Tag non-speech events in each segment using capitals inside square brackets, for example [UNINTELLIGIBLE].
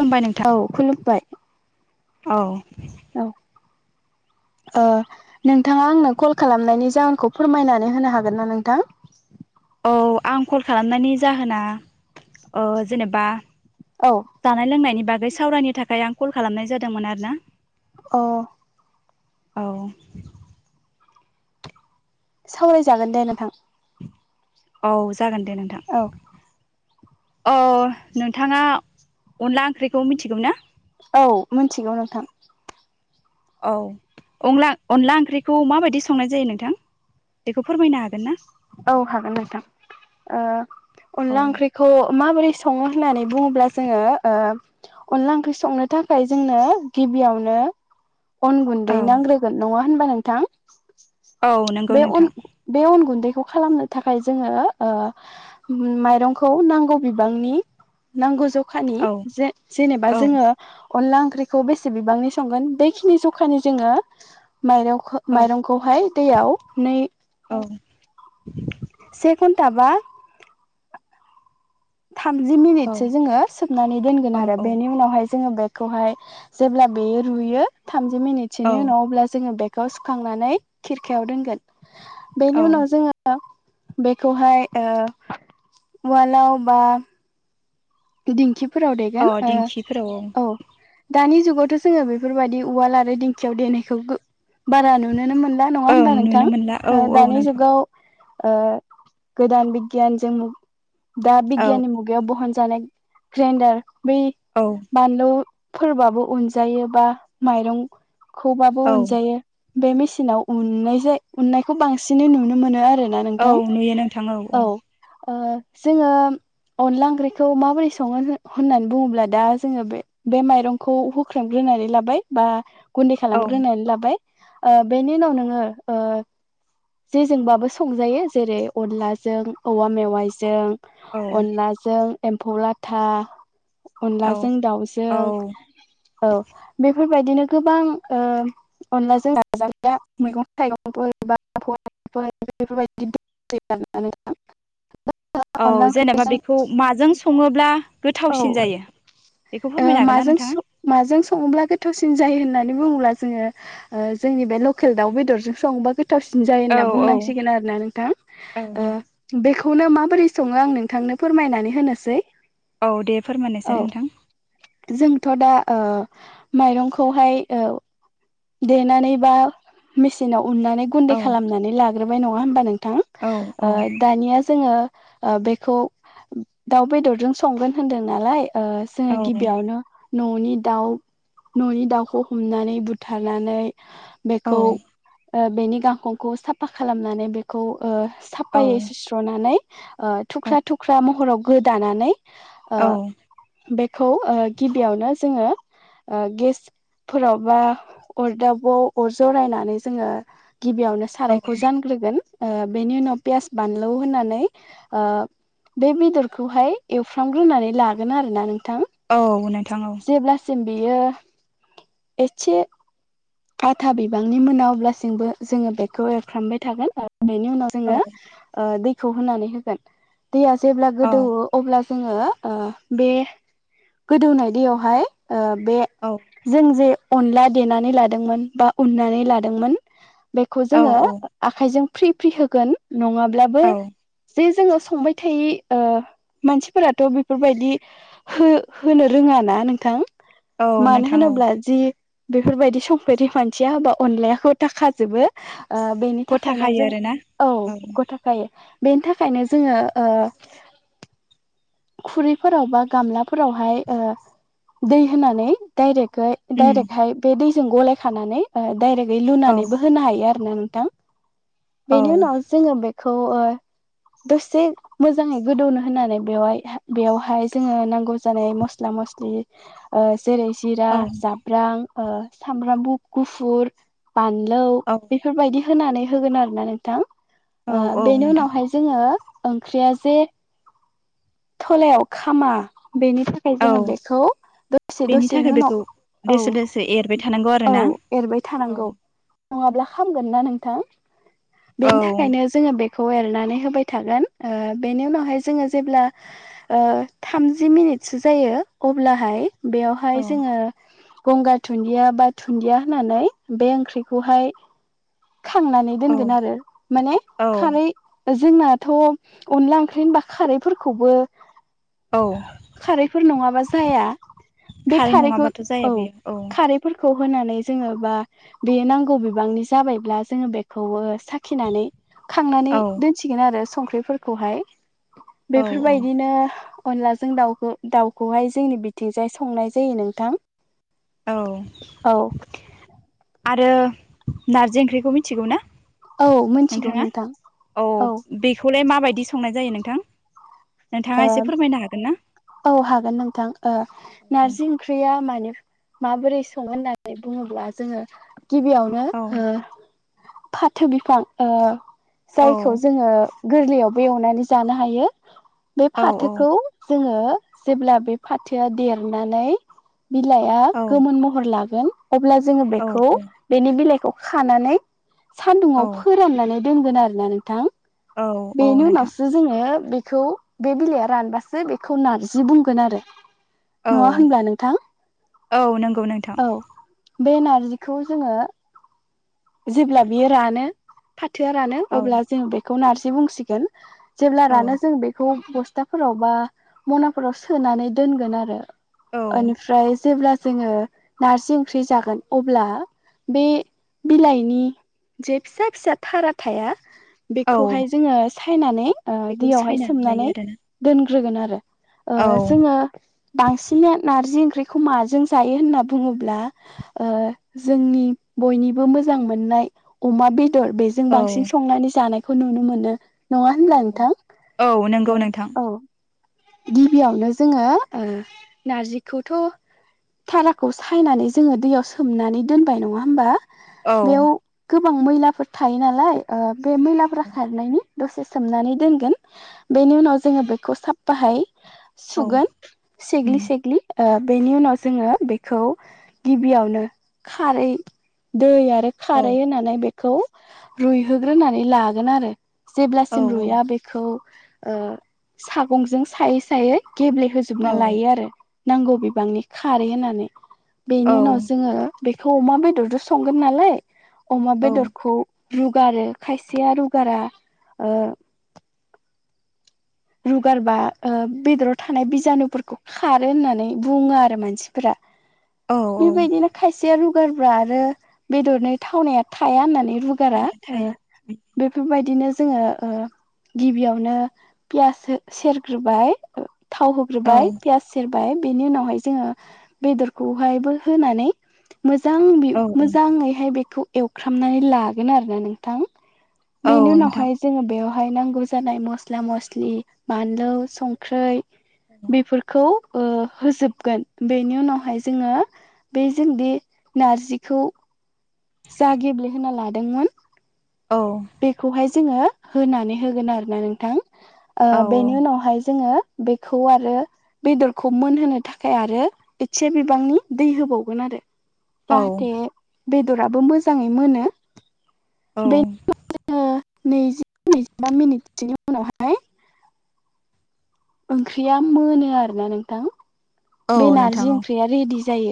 खुलुमबाय नोंथां औ खुलुमबाय औ औ [INAUDIBLE] ओ नोंथाङा आंनो कल खालामनायनि जाहोनखौ फोरमायनानै होनो हागोन ना नोंथां [UNINTELLIGIBLE] औ आं कल खालामनायनि जाहोना जेनेबा औ जानाय लोंनायनि बागै सावरायनो थाखाय आं कल खालामनाय जादोंमोन आरो ना औ औ सावरायजागोन दे नोंथां औ जागोन दे नोंथां औ अ नोंथाङा अनला ओंख्रिखौ मिथिगौ ना औ मिथिगौ नोंथां औ अन अनला ओंख्रिखौ माबायदि संनाय जायो नोंथां बेखौ फोरमायनो हागोन ना औ हागोन नोंथां औ अनला ओंख्रिखौ माबोरै सङो होननानै बुङोब्ला जोङो अनला ओंख्रि संनो थाखाय जोंनो गिबियावनो [INAUDIBLE] अन गुन्दै औ नांग्रोगोन नङा होनबा नोंथां औ नंगौ बे नोंथां अन बे अन गुन्दैखौ खौ खालामनो थाखाय जोङो माइरंखौ नांगौ बिबांनि नांगौ जखानि औ जे-जेनेबा औ जोङो अनला ओंख्रिखौ बेसे बिबांनि संगोन बेखिनि जखानि जोङो माइरं औ माइरंखौहाय दैयाव नै औ से घन्टा बा थामजि औ मिनिटसो जोङो सोबनानै दोनगोन आरो औ बेनि उनावहाय जोङो बे खौहाय जेब्ला बे रुयो थामजि औ मिनिटनि उनाव ज खौ सुखांनानै खिरखायाव दोनगोन औ बेनि उनाव जोङो बेखौहाय ओ उवालाव बा दिंखिफोराव अ देगोन दिंखिफोराव औ दानि जुगावथ जोङो बेफोरबायदि उवाल आरो दिंखियाव देनायखौ बारा नुुनोनो मोनला नङा ओं होनबा नुनो नोंथां मोनला औ औ दानि नोंथां जुगाव गोदान बिगियानजों दा औ बिगियाननि मुगायाव बहनजानाय ग्रेन्डार बे औ बानलु फोरबाबो अनजायो बा माइरंखौबाबो औ अनजायो बे मेचिनाव उननाय जाय उननायखौ बांसिनै नुनो मोनो आरो औ नोंथां नुयो नोंथां औ जोङो अनला ओंख्रिखौ मोरै सङो होननानै बुङोब्ला दा जोङो बे बे माइरंखौ हुख्रेमग्रोनानै लाबाय बा गुन्दै औ खालामग्रोनानै लाबाय बेनि उनाव नोङो जेजोंबाबो संजायो जेरै अनलाजों औवा मेवाइजों अनलाजों एम्फौ लाथा औ अनलाजों औ दाउजों औ बे बेफोरबायदिनो गोबां अनलाजों मैगं थाइगंफोर बा ओमफ्राय बेफोरबायदि अनला औ जेनेबा ओंख्रिजों बेखौ माजों सङोब्ला औ गोथावसिन जायो बेखौ फोरमायनो हागोन ना माजों नोंथाङा? माजों सङोब्ला गोथावसिन जायो होननानै बुङोब्ला जोङो जोंनि बे लकेल दाउ बेदरजों संबा गो थावसिन जायो औ होनना औ बुंनांसिगोन आरो ना औ नोंथां बेखौ खौनो माबोरै सङो आं नोंथांनो फोरमायनानै होनोसै औ दे औ फोरमायनोसै नोंथां जोंथ दा ओ माइरंखौहाय देनानै बा मेचिनाव उननानै गुन्दै औ खालामनानै लाग्रोबाय नङा होमबा नों थां औ ओ औ दानिया जोङो बेखौ दाउ बेदरजों संगोन होनदों नालाय ओ जोङो औ गिबियावनो न'नि दाउ न'नि दाउखौ हमनानै बुथारनानै औ बेखौ बेनि गांखंखौ साफा खालामनानै बेखौ ओ साफायै सुस्र'नानै ओ औ थुख्रा थुख्रा महराव गोदानानै ओ औ बे खौ गिबियावनो जोङो ओ गेसफोराव बा अरदाबाव अर जरायनानै जोङो गिबियावनो औ सारायखौ जानग्रोगोन बेनि उनाव पियास बानलु होनानै ओ बे बेदरखौहाय एवफ्रामग्रोनानै लागोन आरोना नों औ नोंथां औ बियो एसे आथा बिबांनि मोना अब्लासिमबो जोङो बेखौ एरफ्रामबाय थागोन बेनि उनाव औ जोङो दैखौ होनानै होगोन दैया जेब्ला औ गोदौओ अब्ला जोङो ओ बे गोदौनाय दैयावहाय ओ बे औ जों जे अनला देनानै लादोंमोन बानानै लादोंमोन बे औ जोङो आखायजों फ्रि फ्रि होगोन नङाब्लाबो औ जे जोङो संबाय थि मानसिफोराथ' बेफोरबायदि हो होनो रोङा ना नोंथां औ मानो नोंथां औ होनोब्ला जि बेफोरबायदि संपेरि मानसिया हाबा अनलायागथा खाजोबो बेनि गथा थाखायनो खायो जों आरोना औ गथाखायो बेनि थाखायनो जोङो ओ खुरैफोराव बा गामलाफोरावहाय ओ दै होनानै डाइरेक्ट उम डाइरेक्ट हाय बे दैजों गलायखानानै डाइरेक्टै औ लुनानैबो होनो हायो आरो नोंथां औ बेनि उनाव जोङो बेखौ ओ दसे मोजाङै गोदौनो होननानै बेवहाय बेवहाय जोङो नांगौ जानाय मस्ला मस्लि ओ जेरै जिरा औ जाब्रां ओ सामब्रामु गुफुर बानलु औ बेफोरबायदि होनानै होगोन आरो ना नोंथां औ ओ औ बेनि नोंथां उनावहाय जोङो ओंख्रिया जे थलायाव खामा बेनि थाखाय औ जोङो बेखौ दसे बेनि दसेनि थाखाय उनाव बेखौ औ दोसो दोसो एरबाय थानांगौ आरो औ ना एरबाय औ थानांगौ नङाब्ला खामगोन ना नोंथां औ बेनि थाखायनो जोङो बे खौ एरनानै होबाय थागोन ओ बेनि उनावहाय जोङो जेब्ला ओ थामजि मिनिटसो जायो अब्लाहाय बेयावहाय औ जोङो गंगार दुनन्दिया बा दुन्दिया होननानै बे ओंख्रिखौहाय खांनानै औ दोनगोन आरो माने औ खारै जोंनाथ' अनला ओंख्रि बा खारैफोरखौबो औ खारैफोर नङाबा जाया बे खारै खारैखौ नङाबाथ' जाया औ बेयो खारैफोर खौ होनानै जोङो बा बेयो नांगौ बिबांनि जाबायब्ला जोङो बेखौबो साखिनानै खांनानै औ दोनसिगोन आरो संख्रिफोरखौहाय। औ औ बेफोरबायदिनो अनलाजों दाउ दाउखौहाय जोंनि बिथिंजाय संनाय जायो नोंथां। औ आरो नारजि ओंख्रिखौ मिथिगौ ना? औ मिथिगौ नोंथाङा नोंथां औ बेखौलाय माबायदि संनाय जायो नोंथां? नोंथाङा एसे फोरमायनो हागोन ना औ हागोन नोंथां ओ नारजि ओंख्रिया मानि माबोरै सङो होननानै बुङोब्ला जोङो गिबियावनो औ ओ फाथो बिफां ओ औ जायखौ जोङो गोरलैयावबो एवनानै जानो हायो बे औ फाथोखौ जोङो जेब्ला बे फाथोआ देरनानै बिलाइआ औ गोमोन महर लागोन। अब्ला जोङो बेखौ बेनि बिलाइखौ खानानै औ सान्दुंङाव फोराननानै दोनगोन आरोना नोंथां। औ औ बेनि नोंथां उनावसो जोङो बेखौ बे बिलाइआ रानबासो बेखौ नारजि बुंगोन आरो। औ न'ङा होनब्ला नोंथां औ नंगौ नोंथां औ। बे नारजिखौ जोङो जेब्ला बियो रानो फाथोआ रानो औ अब्ला जों बेखौ नारजि बुंसिगोन जेब्ला औ रानो जों बेखौ बस्थाफोराव बा मनाफोराव सोनानै दोनगोन आरो। औ ओमफ्राय जेब्ला जोङो नारजि ओंख्रि जागोन अब्ला बे बिलाइनि जे फिसा फिसा थारा थाया औ बेखौहाय जोङो सायनानै ओ बेखौ दैयावहाय सायनानै लायो सोमनानै आरोना दोनग्रोगोन आरो। औ ओ जोङो बांसिन नारजि ओंख्रि माजों जायो होनना बुङोब्ला ओ जोंनि बयनिबो बो मोजां मोननाय अमा बेदर बेजों औ बांसिन संनानै जानायखौ नुनो मोनो। नङा औ होनब्ला औ औ नंगौ नोंथां नोंथां औ। गिबियावनो जोङो ओ नारजिखौथ' थाराखौ सायनानै जोङो दैयाव सोमनानै दोनबाय नङा होमबा? औ। बेयाव गोबां मैलाफोर थायो नालाय ओ बे मैलाफोरा खारनायनि दसे सोमनानै दोनगोन बेनि उनाव जोङो बेखौ साफफाहाय औ सुगोन सेग्लि उम सेग्लि ओ बेनि उनाव जोङो बेखौ गिबियावनो खारै दै आरो आरो औ खारै होनानै बेखौ रुइहोग्रोनानै लागोन आरो। औ जेब्लासिम रुया बेखौ ओ सागंजों सायै सायै औ गेब्लेहोजोबना लायो आरो नांगौ बिबांनि खारै होननानै बेनि औ उनाव जोङो बेखौ अमा बेदरजों संगोन नालाय अमा औ बेदरखौ रुगारो खायसेया रुगारा ओ रुगारबा ओ बेदराव थानाय बिजानुफोरखौ खारो होननानै बुङो आरो मानसिफोरा औ बेबायदिनो खायसेया रुगारबा आरो बेदरनि थावनाया थाया होननानै रुगारा औ ओ थाया बेफोरबायदिनो जोङो ओ गिबियावनो पियास सेरग्रोबाय थाव औ होग्रोबाय पियस सेर बाय बिनि उनावहाय जोङो बेदरखौहाय होनानै मोजां औ मोजाङैहाय बेखौ एवखामनानै लागोन आरोना नोंथां। औ बेनि नोंथां उनावहाय जोङो बेवहाय नांगौ जानाय मस्ला मस्लि मस्लि बानलु संख्रि औ बेफोरखौ होजोबगोन बेनि उनावहाय जोङो बे जोंदि बे नारजिखौ जा [UNINTELLIGIBLE] औ बेखौहाय जोङो होनानै होगोन आरोना नोंथां ओ औ बेनि उनावहाय जोङो बेखौ आरो बेदरखौ मोनहोनो थाखाय आरो एसे बिबांनि दै होबावगोन आरो औ जाहाथे बेदराबो मोजांङै मोनो औ। बे नैजि नैजिबा मिनिटसोनि उनावहाय ओंख्रिया मोनो आरोना नोंथां औ बे नारजि नोंथां ओंख्रिया रेडि जायो।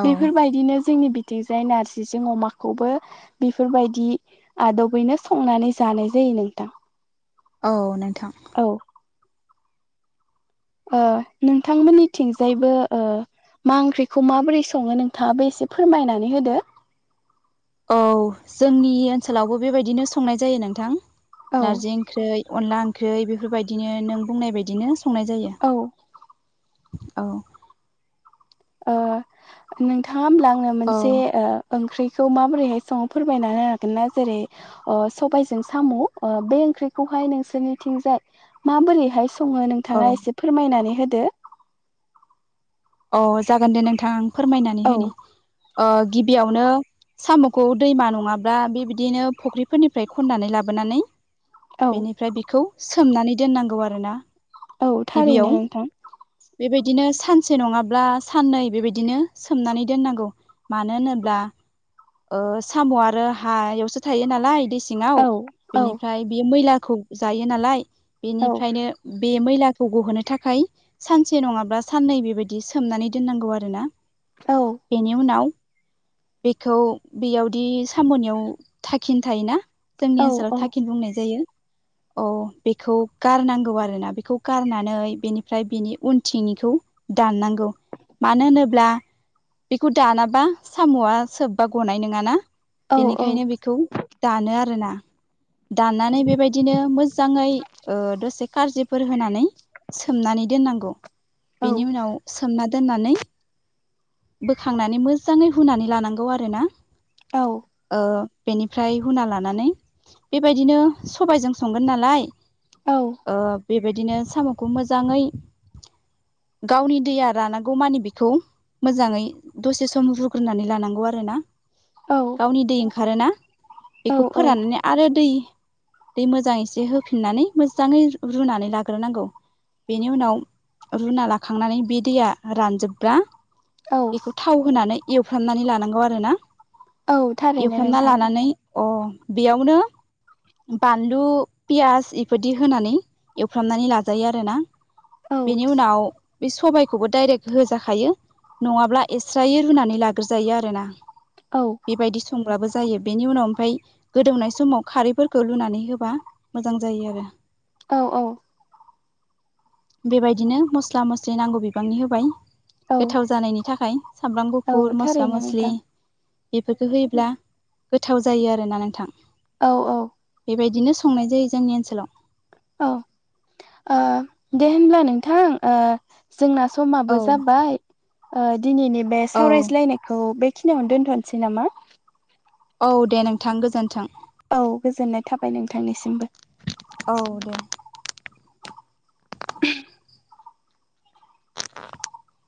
औ बेफोरबायदिनो जोंनि बिथिंजाय नारजिजों अमाखौबो बेफोरबायदि आदबैनो संनानै जानाय जायो। नोंथां औ नोंथां। औ ओ नोंथांमोननिथिंजायबो ओ मा ओंख्रिखौ माबोरै संङो नोंथांङा बो एसे फोरमायनानै होदो औ जोंनि ओनसोलावबो बेबायदिनो संनाय जायो नोंथां औ नारजि ओंख्रै अनला ओंख्रै बेफोरबायदिनो नों बुंनाय बायदिनो संनाय जायो औ औ ओ नोंथांङा होमब्ला आंनो औ मोनसे ओ ओंख्रि खौ माबोरैहाय संङो फोरमायनाहोनो हागोन ना जेरै ओ सबायजों साम' ओ बे ओंंख्रिखौ नोंसोरनिंजाय माबोरैहाय संङो औ नोंथांङा एसे फोरमायनानै होदो। अ जागोन दे नोंथां आं फोरमायनानै औ होनि ओ गिबियावनो साम'खौ दैमा नंङाब्ला बेबायदिनो फुख्रिफोरनिफ्राय खननानै लाबोन नानै औ बेनिफ्राय बेखौ सोमनानै दोननांगौ आरोना औ थारैनो गिबियाव नोंथां बेबायदिनो सान सानसे नंङाब्ला साननै बेबायदिनो सोमनानै दोननांगौ मानो होनोब्ला ओ साम' आरो हायावसो थायो नालाय दै सिंङाव औ औ बेनिफ्राय बेयो मैला खौ जायो नालाय औ बेनिफ्रायनो बे मैलाखौ ग'होनो थाखाय सानसे नंङाब्ला साननै बेबायदि सोमनानै दोननांगौ आरो ना बेनि उनाव खौ बेयावदि साम'नियाव थाखिनि थायोना जोंनि औ ओनसोलाव औ थाखिन बुंनाय जायो। अ बेखौ गारनांगौ आरो ना बेखौ गारनानै बेनिफ्राय बिनि उनथिंनिखौ दाननांगौ मानो होनोब्ला बेखौ दानाबा साम'आ सोब बा गनाय नोंङाना औ औ बेनिखायनो बेखौ दानो आरोना दाननानै बेबायदिनो मोजांङै ओ दसे खारजिफोर होनानै सोमनानै दोननांगौ औ बेनि उनाव सोमना दोननानै बोखांनानै मोजांङै हुनानै लानांगौ आरो ना ओ बेनिफ्राय हुना लानानै बेबायदिनो सबायजों संगोन नालाय ओ बेबायदिनो साम'खौ मोजांङै गावनि दैया रानागौमानि बेखौ मोजांङै दसे सम रुग्रोनानै लानांगौ आरो आरोना औ गावनि दै ओंखारोना औ बेखौ फोराननानै आरो दै दै मोजांं एसे होफिननानै मोजांङै रुनानै लाग्रोनांगौ बेनि उनाव रुना लाखांनानै बे दैया रानजोबब्रा बेखौ थाव होनानै एवफ्रामनानै लानांगौ आरो ना औ थारैनो एवफ्रामना नोंथां लानानै अ बेयावनो बानलु पियास इफोरदि होनानै एवफ्रामनानै लाजायो आरोना औ बिनि उनाव बे सबायाइखौबो डाइरेक्ट होजाखायो नंङाब्ला एस्रायै रुनानै लाग्रोजायो आरो ना औ बेबायदि सं ब्लाबो जायो बेनि उनाव ओमफ्राय गोदौनाय समाव खारैफोरखौ लुनानै होबा मोजां जायो आरो औ औ बेबायदिनो मस्ला मस्लि नांगौ बिबांनि होबाय औ गोथाव जानायनि थाखाय सामब्राम औ गुफुर मस्ला थारैनो मस्लि नोंथां बेफोरखौ होयोब्ला गोथाव जायो आरोना नोंथां औ औ बेबायदिनो संनाय जायो जोंनि ओनसोलाव औ ओ दे होनब्ला नोंथां जोंना समाबो औ जाबाय ओ दिनैनि बे औ सावरायज्लायनायखौ बे दोंथ'नोसै नामा? औ दे नोंथां गोजोन्थों। औ गोजोननाय थाबाय नोंथांनिसिमबो। औ दे [INAUDIBLE] [INAUDIBLE]